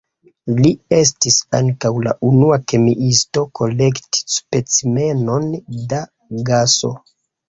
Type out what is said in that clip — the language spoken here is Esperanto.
Li estis ankaŭ la unua kemiisto kolekti specimenon da gaso.